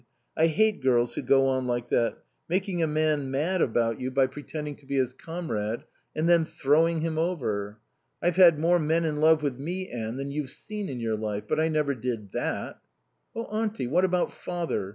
I hate girls who go on like that making a man mad about you by pretending to be his comrade, and then throwing him over. I've had more men in love with me, Anne, than you've seen in your life, but I never did that." "Oh Auntie, what about Father?